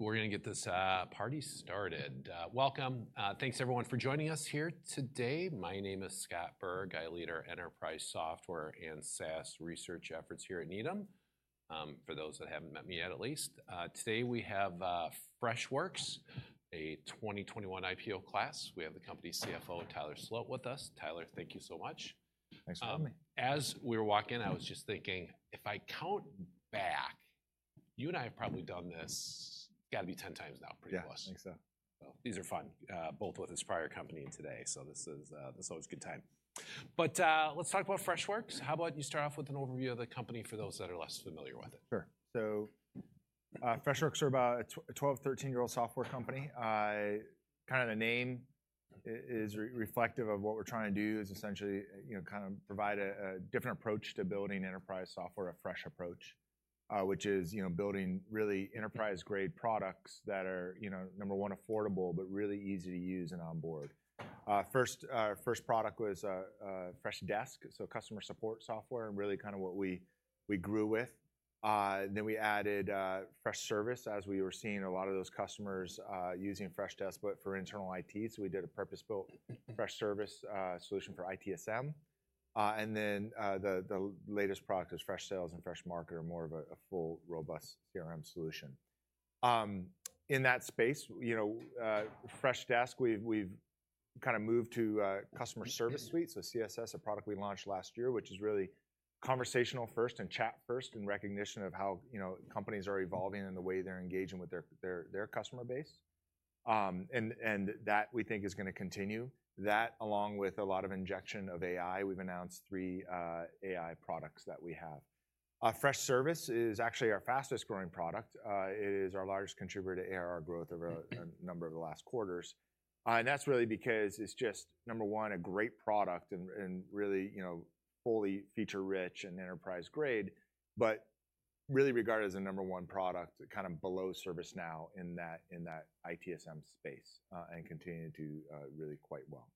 All right, we're gonna get this party started. Welcome, thanks everyone for joining us here today. My name is Scott Berg. I lead our enterprise software and SaaS research efforts here at Needham, for those that haven't met me yet at least. Today, we have Freshworks, a 2021 IPO class. We have the company's CFO, Tyler Sloat with us. Tyler, thank you so much. Thanks for having me. As we were walking in, I was just thinking if I count back you and I have probably done this gotta be 10 times now. I think so. These are fun, both with his prior company and today, this is always a good time. But, let's talk about Freshworks. How about you start off with an overview of the company for those that are less familiar with it? Sure. Freshworks is about a 12, 13 year old software company. Kind of the name is reflective of what we're trying to do, is essentially kind of provide a different approach to building enterprise software, a fresh approach. Which is building really enterprise-grade products that are number one affordable but really easy to use and onboard. First, our first product was Freshdesk, so customer support software and really kind of what we grew with. Then we added Freshservice, as we were seeing a lot of those customers using Freshdesk, but for internal IT, so we did a purpose-built Freshservice solution for ITSM and then the latest product is Freshsales and Freshmarketer, are more of a full robust CRM solution. In that space, Freshdesk, we've kind of moved to a Customer Service Suite CSS, a product we launched last year, which is really conversational first and chat first, in recognition of how companies are evolving and the way they're engaging with their customer base. That we think is gonna continue. That along with a lot of injection of AI, we've announced three AI products that we have. Freshservice is actually our fastest-growing product. It is our largest contributor to ARR growth over a number of the last quarters. That's really because it's just number one, a great product and really fully feature-rich and enterprise-grade, but really regarded as the number one product, kind of below ServiceNow in that ITSM space and continuing to do really quite well.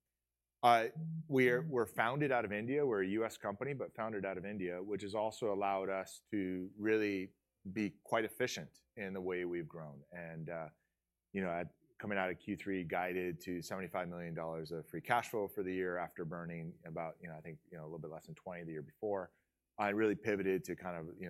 We're founded out of India. We're a U.S. company, but founded out of India, which has also allowed us to really be quite efficient in the way we've grown and at coming out of Q3, guided to $75 million of free cash flow for the year after burning about a little bit less than $20 million the year before. I really pivoted to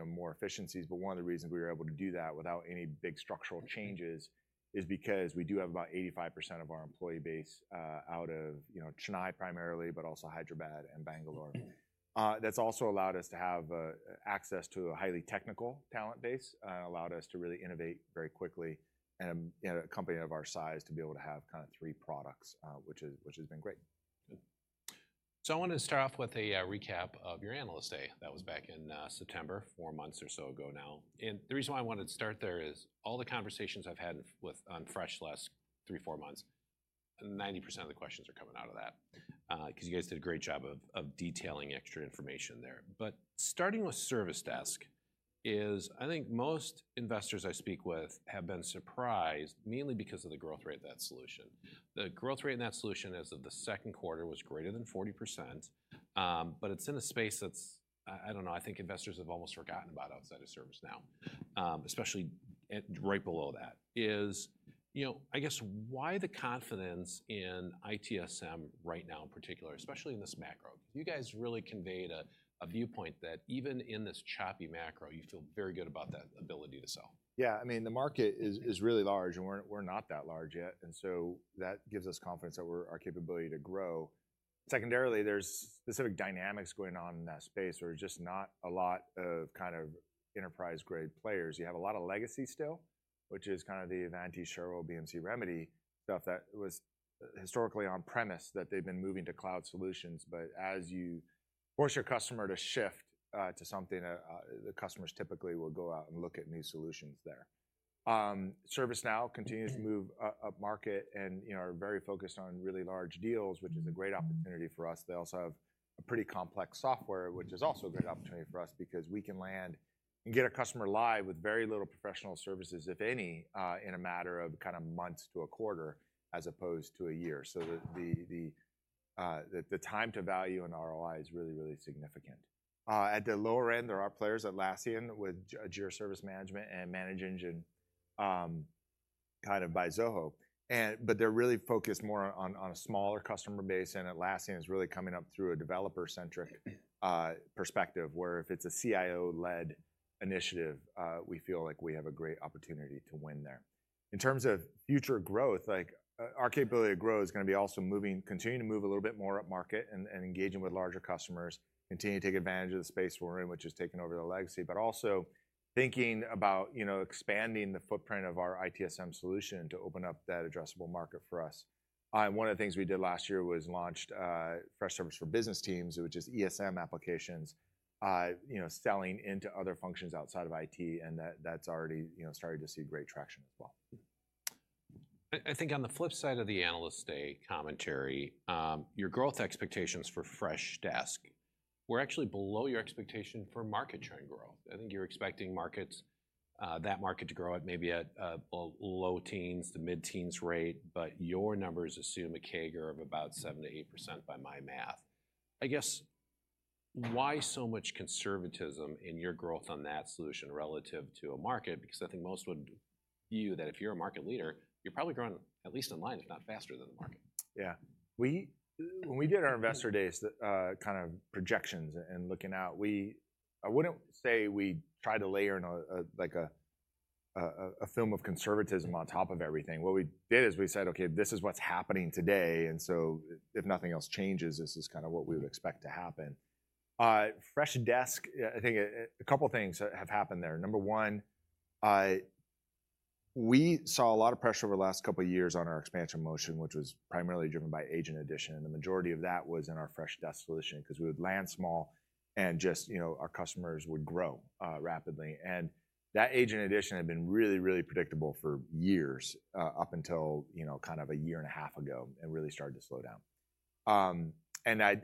more efficiencies, but one of the reasons we were able to do that without any big structural changes is because we do have about 85% of our employee base out of Chennai primarily but also Hyderabad and Bangalore. That's also allowed us to have access to a highly technical talent base allowed us to really innovate very quickly and a company of our size to be able to have kind of three products, which has been great. I wanted to start off with a recap of your Analyst Day. That was back in September, four months or so ago now and the reason why I wanted to start there is all the conversations I've had with, on Fresh the last three, four months, 90% of the questions are coming out of that, 'cause you guys did a great job of detailing extra information there. But starting with Service Desk is most investors I speak with have been surprised, mainly because of the growth rate of that solution. The growth rate in that solution as of Q2 was greater than 40% but it's in a space that investors have almost forgotten about outside of ServiceNow especially at right below that is why the confidence in ITSM right now in particular, especially in this macro? You guys really conveyed a viewpoint that even in this choppy macro, you feel very good about that ability to sell. The market is really large and we're not that large yet and so that gives us confidence in our capability to grow. Secondarily, there's specific dynamics going on in that space, where just not a lot of, kind of, enterprise-grade players. You have a lot of legacy still, which is kind of the Ivanti, Cherwell, BMC Remedy stuff that was historically on-premise, that they've been moving to cloud solutions. But as you force your customer to shift to something, the customers typically will go out and look at new solutions there. ServiceNow continues to move upmarket and are very focused on really large deals which is a great opportunity for us. They also have a pretty complex software, which is also a great opportunity for us because we can land and get a customer live with very little professional services, if any, in a matter of kind of months to a quarter, as opposed to a year. So the time to value and ROI is really significant. At the lower end, there are players, Atlassian, with Jira Service Management and ManageEngine kind of by Zoho. But they're really focused more on a smaller customer base and Atlassian is really coming up through a developer-centric perspective, where if it's a CIO-led initiative, we feel like we have a great opportunity to win there. In terms of future growth, like, our capability to grow is gonna be also moving, continuing to move a little bit more upmarket and, engaging with larger customers, continuing to take advantage of the space we're in, which is taking over the legacy, but also thinking about expanding the footprint of our ITSM solution to open up that addressable market for us and one of the things we did last year was launched, Freshservice for Business Teams, which is ESM applications selling into other functions outside of it and that's already started to see great traction as well. On the flip side of the Analyst Day commentary, your growth expectations for Freshdesk were actually below your expectation for market trend growth. You're expecting that market to grow at maybe a low-teens to mid-teens rate, but your numbers assume a CAGR of about 7%-8% by my math. Why so much conservatism in your growth on that solution relative to a market? Because most would view that if you're a market leader, you're probably growing at least in line, if not faster than the market. When we did our Investor Days, the kind of projections and looking out, I wouldn't say we tried to layer in a like a film of conservatism on top of everything. What we did is we said, "Okay, this is what's happening today and so if nothing else changes, this is kind of what we would expect to happen." Freshdesk, a couple of things have happened there. Number one, we saw a lot of pressure over the last couple of years on our expansion motion, which was primarily driven by agent addition and the majority of that was in our Freshdesk solution 'cause we would land small and just our customers would grow rapidly. That agent addition had been really, really predictable for years up until kind of a year and a half ago, it really started to slow down.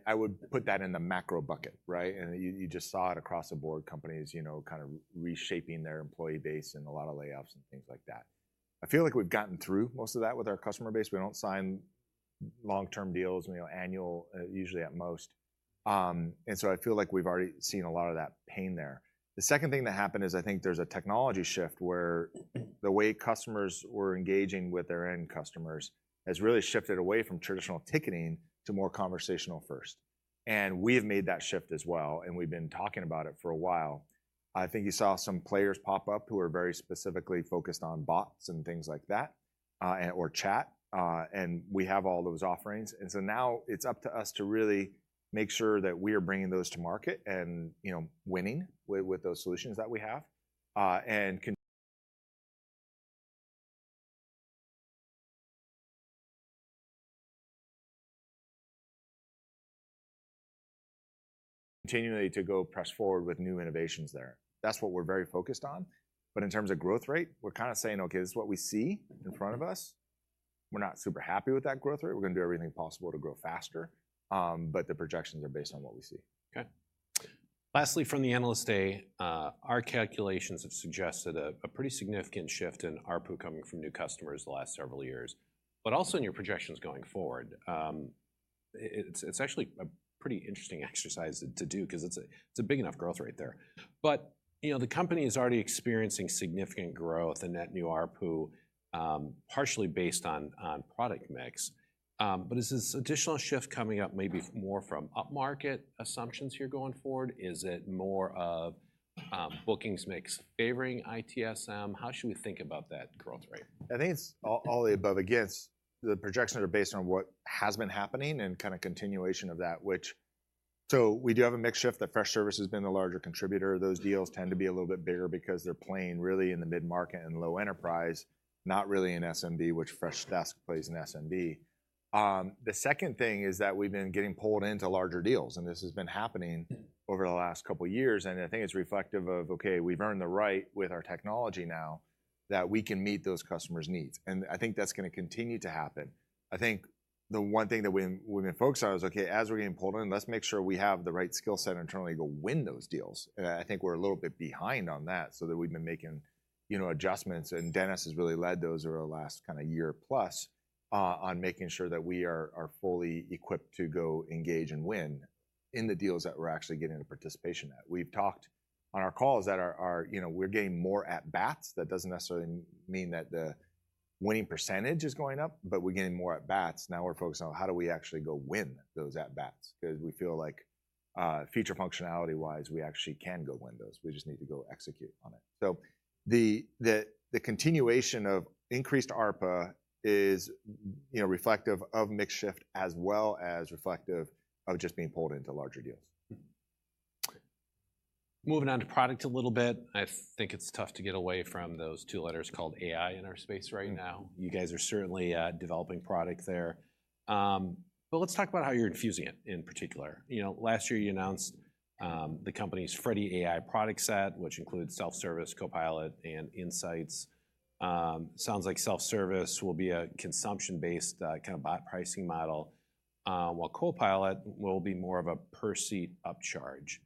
I would put that in the macro bucket, right? You just saw it across the board, companies kind of reshaping their employee base and a lot of layoffs and things like that. I feel like we've gotten through most of that with our customer base. We don't sign long-term deals annual usually at most. I feel like we've already seen a lot of that pain there. The second thing that happened is there's a technology shift, where the way customers were engaging with their end customers has really shifted away from traditional ticketing to more conversational first. We have made that shift as well and we've been talking about it for a while. You saw some players pop up who are very specifically focused on bots and things like that and/or chat and we have all those offerings. So now it's up to us to really make sure that we are bringing those to market and winning with those solutions that we have and continually to go press forward with new innovations there. That's what we're very focused on. But in terms of growth rate, we're kind of saying: Okay, this is what we see in front of us. We're not super happy with that growth rate. We're gonna do everything possible to grow faster, but the projections are based on what we see. Lastly, from the Analyst Day, our calculations have suggested a pretty significant shift in ARPU coming from new customers the last several years, but also in your projections going forward. It's actually a pretty interesting exercise to do 'cause it's a big enough growth rate there. But the company is already experiencing significant growth in net new ARPU, partially based on product mix. But is this additional shift coming up maybe more from upmarket assumptions here going forward? Is it more of, bookings mix favoring ITSM? How should we think about that growth rate? It's all the above. Again, the projections are based on what has been happening and kind of continuation of that. So we do have a mix shift, that Freshservice has been the larger contributor. Those deals tend to be a little bit bigger because they're playing really in the mid-market and low enterprise, not really in SMB, which Freshdesk plays in SMB. The second thing is that we've been getting pulled into larger deals and this has been happening over the last couple of years and it's reflective of we've earned the right with our technology now, that we can meet those customers' needs and that's gonna continue to happen. The one thing that we've been focused on is as we're getting pulled in, let's make sure we have the right skill set internally to go win those deals and we're a little bit behind on that then we've been making adjustments and Dennis has really led those over the last kind of year plus on making sure that we are fully equipped to go engage and win in the deals that we're actually getting the participation at. We've talked on our calls that we're getting more at bats. That doesn't necessarily mean that the winning percentage is going up, but we're getting more at bats. Now, we're focused on how do we actually go win those at bats? 'Cause we feel like future functionality-wise, we actually can go win those. We just need to go execute on it. So the continuation of increased ARPU is reflective of mix shift as well as reflective of just being pulled into larger deals. Moving on to product a little bit, it's tough to get away from those two letters called AI in our space right now. You guys are certainly developing product there. But let's talk about how you're infusing it, in particular. Last year you announced the company's Freddy AI product set, which includes Self-Service, Copilot and Insights. Sounds like Self-Service will be a consumption-based kind of bot pricing model, while Copilot will be more of a per-seat upcharge.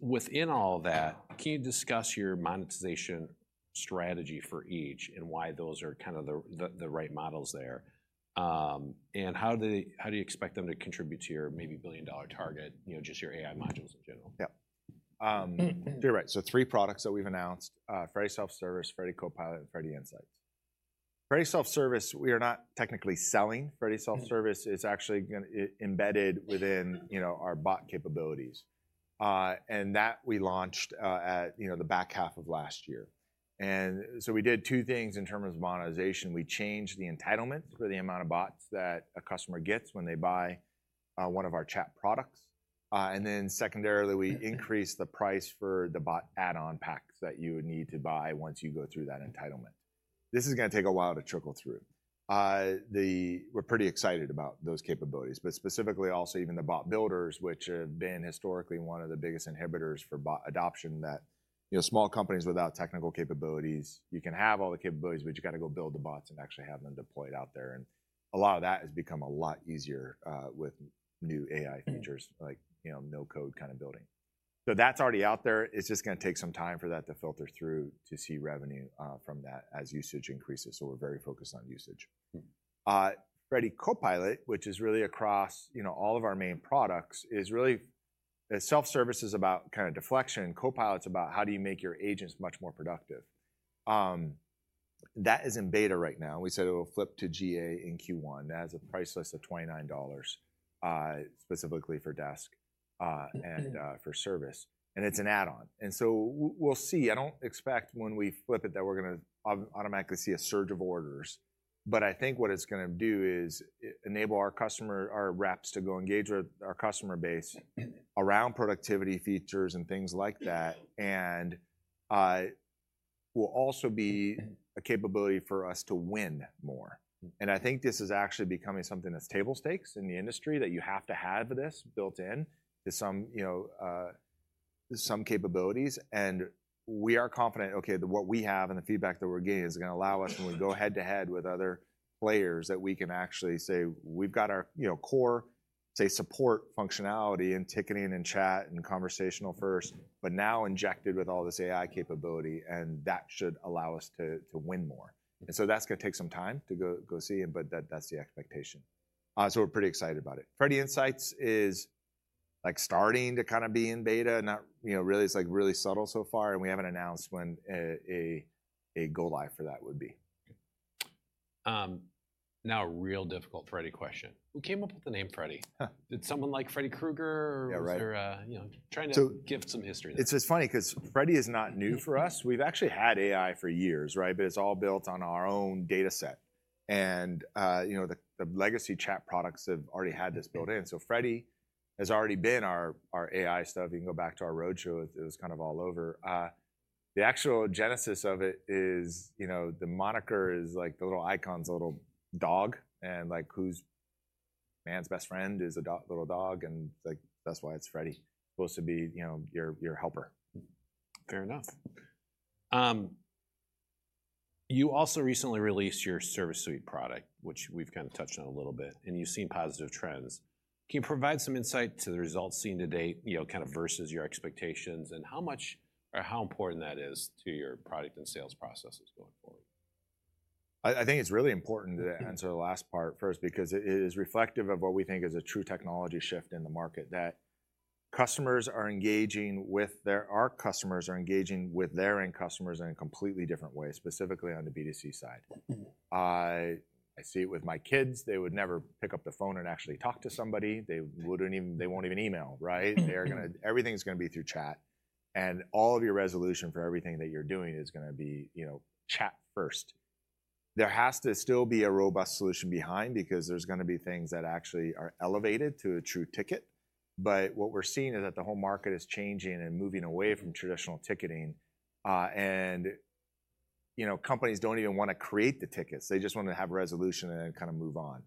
Within all that, can you discuss your monetization strategy for each and why those are kind of the right models there? And how do they, how do you expect them to contribute to your maybe billion-dollar target just your AI modules in general? You're right, so three products that we've announced, Freddy Self-Service, Freddy Copilot and Freddy Insights. Freddy Self-Service, we are not technically selling Freddy Self-Service. It's actually gonna be AI-embedded within our bot capabilities and that we launched at the back half of last year and so we did two things in terms of monetization. We changed the entitlements for the amount of bots that a customer gets when they buy one of our chat products and then secondarily, we increased the price for the bot add-on packs that you would need to buy once you go through that entitlement. This is gonna take a while to trickle through. We're pretty excited about those capabilities, but specifically also, even the bot builders, which have been historically one of the biggest inhibitors for bot adoption that small companies without technical capabilities, you can have all the capabilities, but you got to go build the bots and actually have them deployed out there and a lot of that has become a lot easier with new AI features- like no-code kind of building. So that's already out there. It's just gonna take some time for that to filter through to see revenue from that as usage increases, so we're very focused on usage. Freddy Copilot, which is really across all of our main products is really self-service is about kind of deflection, Copilot's about how do you make your agents much more productive? That is in beta right now. We said it will flip to GA in Q1. That has a price list of $29, specifically for Freshdesk and Freshservice and it's an add-on and so we'll see. I don't expect when we flip it that we're gonna automatically see a surge of orders, but what it's gonna do is enable our reps to go engage with our customer base around productivity features and things like that and will also be a capability for us to win more. This is actually becoming something that's table stakes in the industry that you have to have this built in to some capabilities and we are confident that what we have and the feedback that we're getting is gonna allow us, when we go head-to-head with other players, that we can actually say, "We've got our core say support functionality and ticketing and chat and conversational first, but now injected with all this AI capability," and that should allow us to win more. That's gonna take some time to go see, but that's the expectation. So we're pretty excited about it. Freddy Insights is like starting to kind of be in beta really it's like really subtle so far and we haven't announced when a go-live for that would be. Now a real difficult Freddy question: Who came up with the name Freddy? Did someone like Freddy Krueger or was there trying to give some history. It's funny because Freddy is not new for us. We've actually had AI for years, right? But it's all built on our own dataset and the legacy chat products have already had this built in. Freddy has already been our AI stuff. You can go back to our roadshow. It was kind of all over. The actual genesis of it is the moniker is like the little icon's a little dog and like who's man's best friend is a dog, little dog and, like, that's why it's Freddy. Supposed to be your helper. Fair enough. You also recently released your service suite product, which we've kind of touched on a little bit and you've seen positive trends. Can you provide some insight to the results seen to date versus your expectations and how much or how important that is to your product and sales processes going forward? It's really important to answer the last part first because it is reflective of what we think is a true technology shift in the market, that customers are engaging with their. Our customers are engaging with their end customers in a completely different way, specifically on the B2C side. I see it with my kids. They would never pick up the phone and actually talk to somebody. They wouldn't even email, right? Everything's gonna be through chat and all of your resolution for everything that you're doing is gonna be chat first. There has to still be a robust solution behind because there's gonna be things that actually are elevated to a true ticket but what we're seeing is that the whole market is changing and moving away from traditional ticketing. Companies don't even wanna create the tickets. They just want to have a resolution and then kind of move on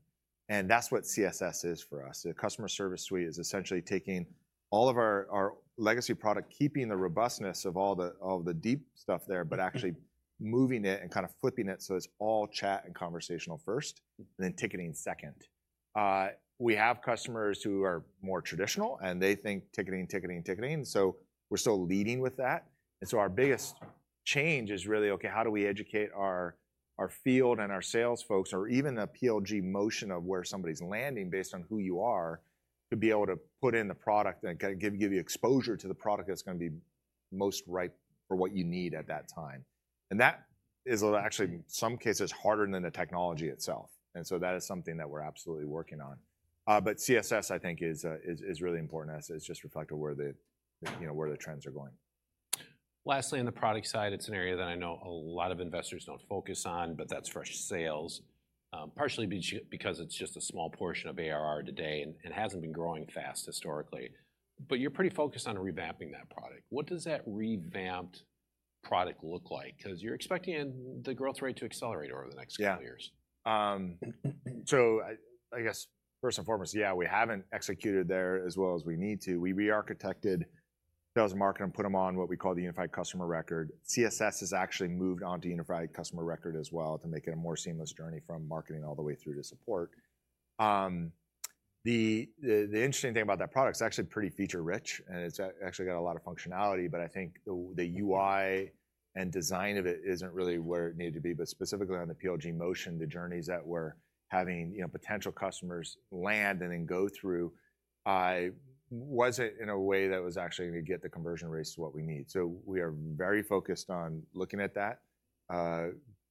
and that's what CSS is for us. The Customer Service Suite is essentially taking all of our legacy product keeping the robustness of all the deep stuff there but actually moving it and kind of flipping it, so it's all chat and conversational first and then ticketing second. We have customers who are more traditional and they think ticketing, we're still leading with that and so our biggest change is really, okay, how do we educate our field and our sales folks or even the PLG motion of where somebody's landing based on who you are to be able to put in the product and give you exposure to the product that's gonna be most ripe for what you need at that time? That is actually, in some cases, harder than the technology itself and so that is something that we're absolutely working on. But CSS, I think is really important as it's just reflective of where the where the trends are going. Lastly, on the product side, it's an area that I know a lot of investors don't focus on, but that's Freshsales. Partially because it's just a small portion of ARR today and hasn't been growing fast historically, but you're pretty focused on revamping that product. What does that revamped product look like? 'Cause you're expecting the growth rate to accelerate over the next couple years. First and foremost, we haven't executed there as well as we need to. We re-architected sales and marketing and put them on what we call the Unified Customer Record. CSS has actually moved on to Unified Customer Record as well to make it a more seamless journey from marketing all the way through to support. The interesting thing about that product, it's actually pretty feature-rich and it's actually got a lot of functionality, but the UI and design of it isn't really where it needed to be. Specifically on the PLG motion, the journeys that we're having potential customers land and then go through wasn't in a way that was actually gonna get the conversion rates to what we need. So we are very focused on looking at that.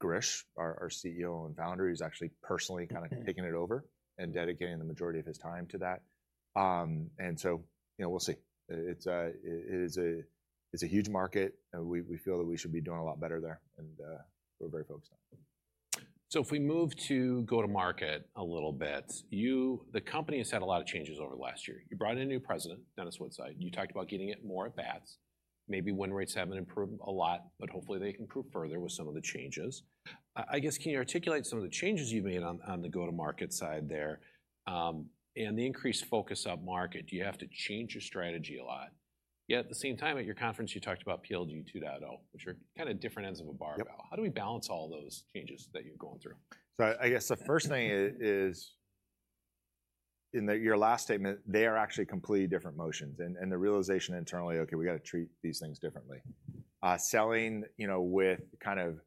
Girish, our CEO and founder, he's actually personally kind of taking it over and dedicating the majority of his time to that and we'll see it's a huge market and we feel that we should be doing a lot better there and we're very focused on it. If we move to go-to-market a little bit, the company has had a lot of changes over the last year. You brought in a new president, Dennis Woodside and you talked about getting it more at bats. Maybe win rates haven't improved a lot, but hopefully they can improve further with some of the changes. Can you articulate some of the changes you've made on the go-to-market side there and the increased focus up-market? Do you have to change your strategy a lot? At the same time, at your conference you talked about PLG 2.0, which are kind of different ends of a barbell. How do we balance all those changes that you're going through? The first thing is in your last statement, they are actually completely different motions and the realization internally, "Okay, we gotta treat these things differently." Selling with kind of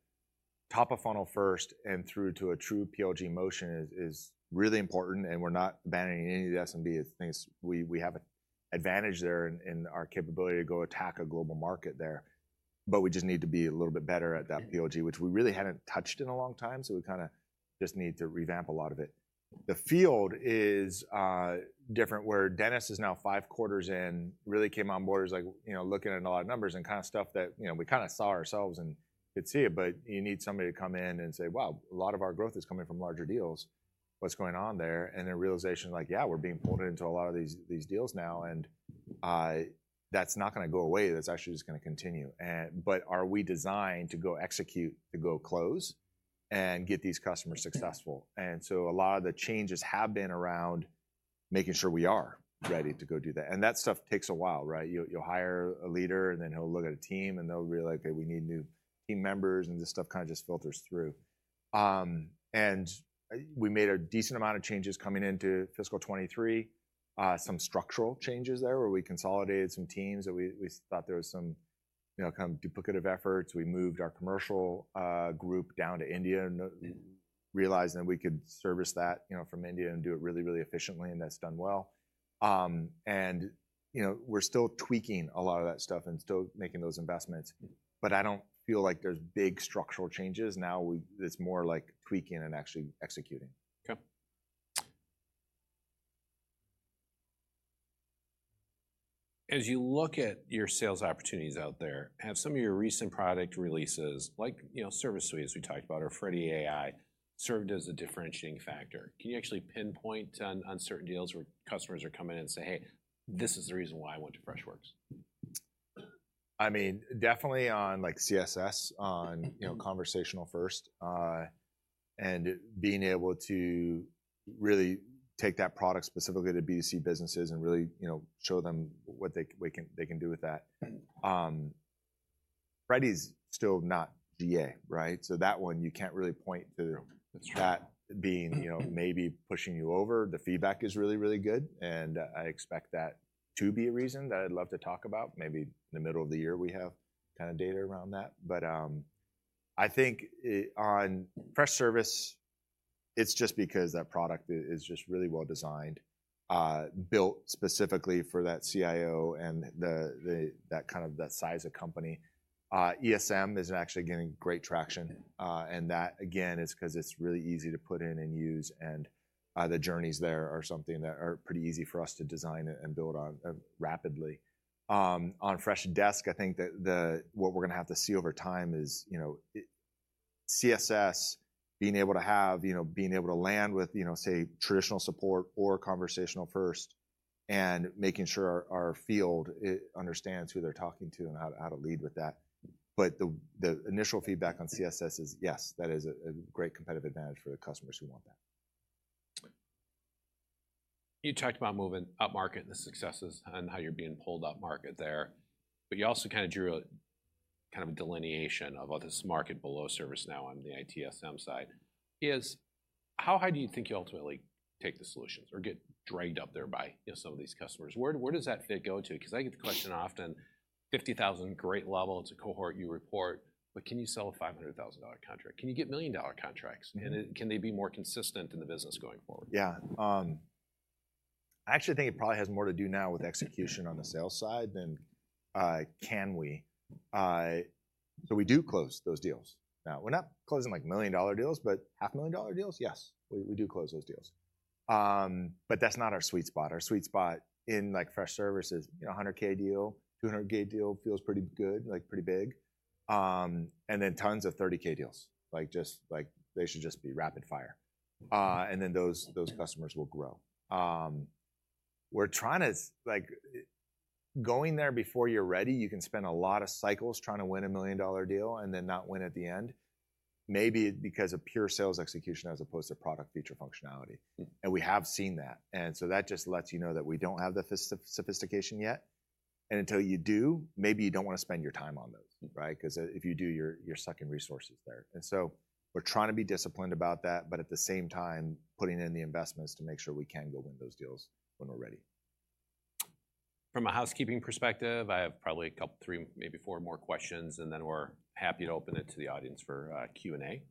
top of funnel first and through to a true PLG motion is really important and we're not banning any of the SMB things. We have an advantage there in our capability to go attack a global market there, but we just need to be a little bit better at that PLG, which we really hadn't touched in a long time, so we kinda just need to revamp a lot of it. The field is different, where Dennis is now five quarters in really came on board as like looking at a lot of numbers and kinda stuff that we kinda saw ourselves and could see it, but you need somebody to come in and say, "Wow, a lot of our growth is coming from larger deals. What's going on there?" And the realization, like we're being pulled into a lot of these deals now and that's not gonna go away. That's actually just gonna continue. But are we designed to go execute to go close and get these customers successful? And so a lot of the changes have been around making sure we are ready to go do that and that stuff takes a while, right? You'll hire a leader and then he'll look at a team and they'll realize, okay, we need new team members and this stuff kinda just filters through. We made a decent amount of changes coming into fiscal 2023. Some structural changes there, where we consolidated some teams that we thought there was some kind of duplicative efforts. We moved our commercial group down to India, realizing that we could service that from India and do it really efficiently and that's done well. We're still tweaking a lot of that stuff and still making those investments, but I don't feel like there's big structural changes. Now, it's more like tweaking and actually executing. As you look at your sales opportunities out there, have some of your recent product releases like Service Suite as we talked about or Freddy AI served as a differentiating factor? Can you actually pinpoint on, on certain deals where customers are coming in and say, "Hey, this is the reason why I went to Freshworks"? Definitely on like CSS on conversational first and being able to really take that product specifically to B2C businesses and really show them what we can do with that. Freddy's still not GA, right? So that one, you can't really point to that being maybe pushing you over. The feedback is really good and I expect that to be a reason that I'd love to talk about. Maybe in the middle of the year, we have kind of data around that. On Freshservice, it's just because that product is just really well designed, built specifically for that CIO and the kind of that size of the company. ESM is actually getting great traction and that again is 'cause it's really easy to put in and use and the journeys there are something that are pretty easy for us to design and build on rapidly. On Freshdesk, That's what we're gonna have to see over time CSS being able to land with say traditional support or conversational first and making sure our field, it understands who they're talking to and how to, how to lead with that. But the initial feedback on CSS is a great competitive advantage for the customers who want that. You talked about moving upmarket and the successes and how you're being pulled upmarket there, but you also kind of drew a kind of a delineation about this market below ServiceNow on the ITSM side. How high do you think you'll ultimately take the solutions or get dragged up there by some of these customers? Where does that fit go to? Because I get the question often $50,000 great level cohort you report, but can you sell a $500,000 contract? Can you get $1 million contracts? And can they be more consistent in the business going forward? I actually think it probably has more to do now with execution on the sales side than can we? So we do close those deals. Now, we're not closing, like, $1 million deals, but $500,000 deals, yes. We do close those deals. But that's not our sweet spot. Our sweet spot in, like, Freshservice is a $100K deal, $200K deal feels pretty good like pretty big and then tons of $30K deals just like they should just be rapid fire and then those customers will grow. We're trying to like going there before you're ready, you can spend a lot of cycles trying to win a $1 million deal and then not win at the end, maybe because of pure sales execution as opposed to product feature functionality. We have seen that and so that just lets that we don't have the sophistication yet and until you do maybe you don't wanna spend your time on those, right? Cause if you do, you're sucking resources there and so we're trying to be disciplined about that, but at the same time, putting in the investments to make sure we can go win those deals when we're ready. From a housekeeping perspective, I have probably a couple, three, maybe four more questions and then we're happy to open it to the audience for Q&A.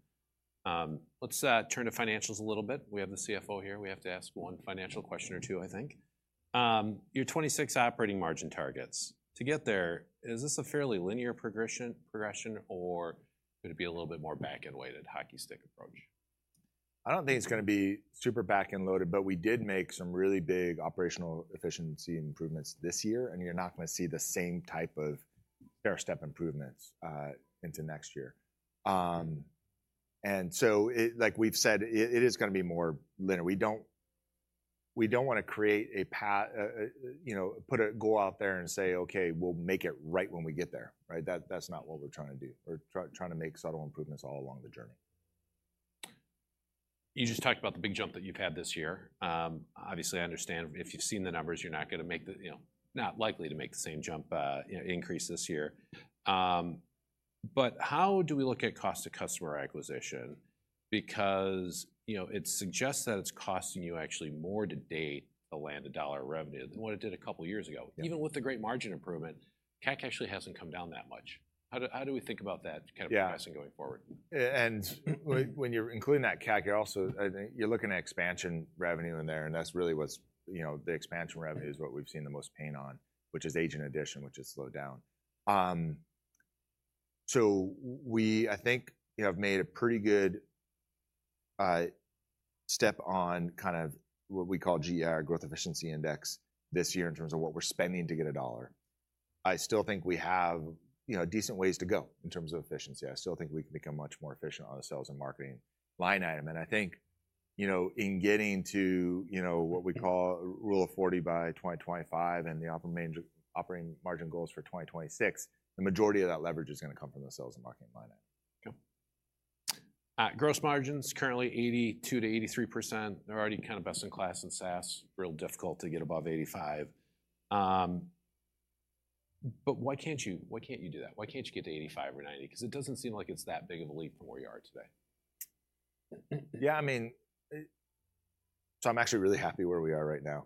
Let's turn to financials a little bit. We have the CFO here. We have to ask one financial question or two. Your 26 operating margin targets. To get there is this a fairly linear progression or would it be a little bit more back-end-weighted hockey stick approach? I don't think it's gonna be super back-end loaded, but we did make some really big operational efficiency improvements this year and you're not gonna see the same type of stairstep improvements into next year and so it, like we've said it is gonna be more linear. We don't wanna put a goal out there and say, "Okay, we'll make it right when we get there," right? That's not what we're trying to do. We're trying to make subtle improvements all along the journey. You just talked about the big jump that you've had this year. I understand if you've seen the numbers, you're not likely to make the same jump increase this year. But how do we look at cost of customer acquisition? Because it suggests that it's costing you actually more to date to land a dollar of revenue than what it did a couple years ago. Even with the great margin improvement, CAC actually hasn't come down that much. How do we think about that kind of progressing going forward? When you're including that CAC, you're also looking at expansion revenue in there and that's really the expansion revenue is what we've seen the most pain on which is agent addition which has slowed down. We have made a pretty good step on kind of what we call GEI - Growth Efficiency Index, this year in terms of what we're spending to get a dollar. I still think we have decent ways to go in terms of efficiency. I still think we can become much more efficient on the sales and marketing line item. In getting to what we call Rule of 40 by 2025 and the operating margin goals for 2026, the majority of that leverage is gonna come from the sales and marketing line item. Cool. Gross margins, currently 82%-83%. They're already kind of best in class in SaaS, real difficult to get above 85%. Why can't you, why can't you do that? Why can't you get to 85% or 90%? Because it doesn't seem like it's that big of a leap from where you are today. I'm actually really happy where we are right now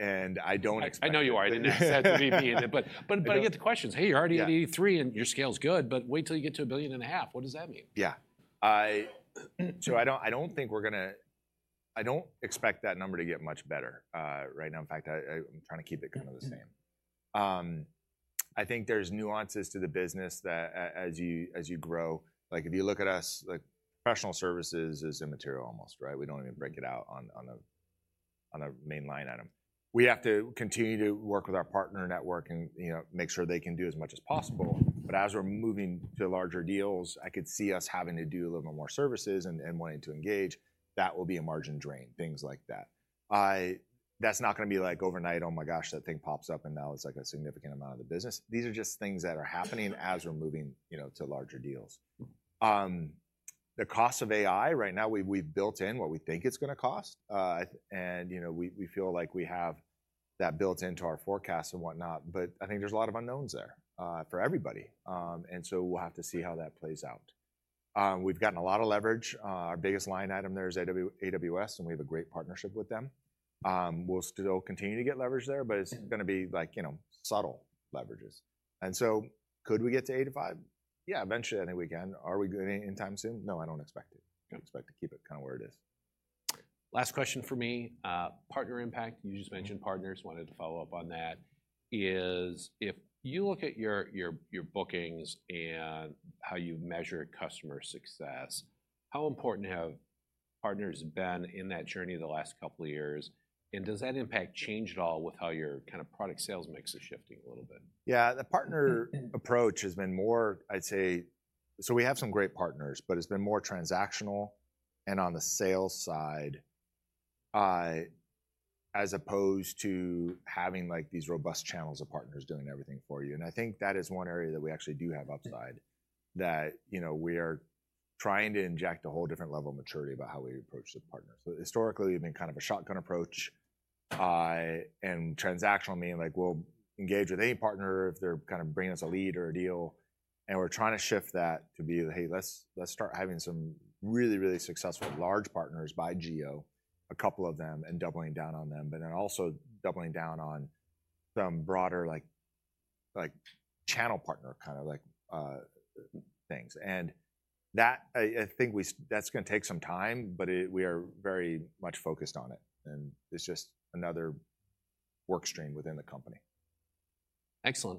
and I don't expect- I know you are. I didn't mean to be mean, but I get the questions: "Hey, you're already at 83% and your scale's good, but wait till you get to $1.5 billion. What does that mean?" I don't think we're gonna expect that number to get much better. Right now, In fact, I'm trying to keep it kind of the same. There's nuances to the business that as you grow like if you look at us like professional services is immaterial almost, right? We don't even break it out on a main line item. We have to continue to work with our partner network and make sure they can do as much as possible. But as we're moving to larger deals, I could see us having to do a little more services and wanting to engage. That will be a margin drain, things like that. That's not gonna be like overnight that thing pops up and now it's, like, a significant amount of the business. These are just things that are happening as we're moving to larger deals. The cost of AI, right now, we've built in what we think it's gonna cost and we feel like we have that built into our forecast and whatnot there's a lot of unknowns there, for everybody and so we'll have to see how that plays out. We've gotten a lot of leverage. Our biggest line item there is AWS and we have a great partnership with them. We'll still continue to get leverage there, but it's gonna be like subtle leverages and so could we get to 85? Eventually we can. Are we going anytime soon? No, I don't expect it. Expect to keep it kind of where it is. Last question from me. Partner impact. You just mentioned partners. Wanted to follow up on that, is if you look at your bookings and how you measure customer success, how important have partners been in that journey the last couple of years and does that impact change at all with how your kind of product sales mix is shifting a little bit? The partner approach has been more, I'd say we have some great partners, but it's been more transactional and on the sales side, as opposed to having, like, these robust channels of partners doing everything for you and that is one area that we actually do have upside that we are trying to inject a whole different level of maturity about how we approach the partners. Historically, we've been kind of a shotgun approach and transactional meaning like we'll engage with any partner if they're kind of bringing us a lead or a deal and we're trying to shift that to be, "Hey, let's start having some really successful large partners by geo, a couple of them and doubling down on them," but then also doubling down on some broader like channel partner kind of things. That's gonna take some time, but we are very much focused on it and it's just another work stream within the company. Excellent.